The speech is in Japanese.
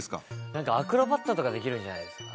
何かアクロバットとかできるんじゃないですか？